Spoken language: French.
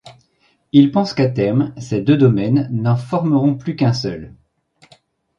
Il pense qu'à terme, ces deux domaines n'en formeront plus qu'un seul.